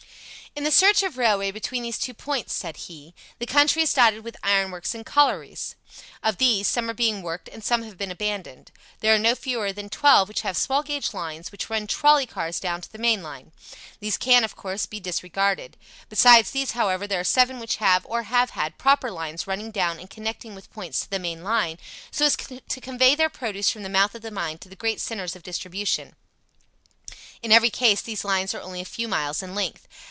"In the stretch of railway between these two points," said he, "the country is dotted with ironworks and collieries. Of these, some are being worked and some have been abandoned. There are no fewer than twelve which have small gauge lines which run trolly cars down to the main line. These can, of course, be disregarded. Besides these, however, there are seven which have, or have had, proper lines running down and connecting with points to the main line, so as to convey their produce from the mouth of the mine to the great centres of distribution. In every case these lines are only a few miles in length.